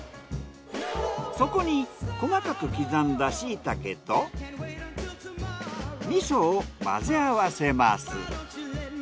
そこに細かく刻んだシイタケと味噌を混ぜ合わせます。